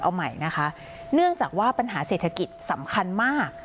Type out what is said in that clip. เอาใหม่นะคะเนื่องจากว่าปัญหาเศรษฐกิจสำคัญมาก